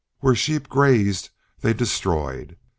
Where sheep grazed they destroyed.